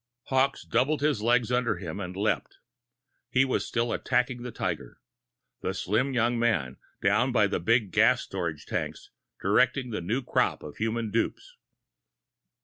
Hawkes doubled his legs under him and leaped. He was still attacking the tiger the slim young man, down by the big gas storage tanks, directing the new crop of human dupes.